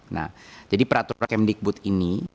nah jadi peraturan kemdikbud ini